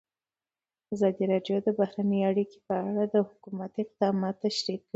ازادي راډیو د بهرنۍ اړیکې په اړه د حکومت اقدامات تشریح کړي.